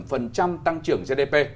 phần trăm tăng trưởng gdp